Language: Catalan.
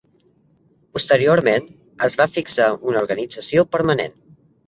Posteriorment es va fixar una organització permanent.